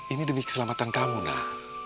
ini demi keselamatan kamu nak